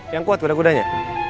yang kuat kuda kudanya